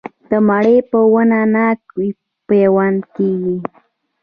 د مڼې په ونه ناک پیوند کیږي؟